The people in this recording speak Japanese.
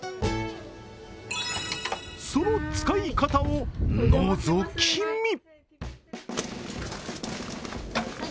その使い方をのぞき見。